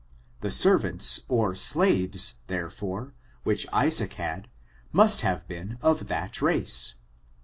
The servants or slaves, therefore, which Isaac had, must have been of that race.